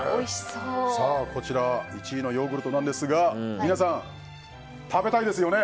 こちら１位のヨーグルトですが皆さん、食べたいですよね？